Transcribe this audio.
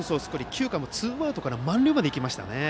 ９回もツーアウトから満塁までいきましたよね。